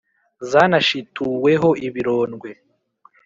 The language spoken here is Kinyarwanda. Zanashituweho ibirondwe?